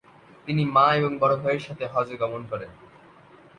তিনি মা এবং বড় ভাইয়ের সাথে হজ্জে গমন করেন।